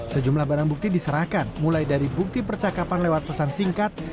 sejumlah barang bukti diserahkan mulai dari bukti percakapan lewat pesan singkat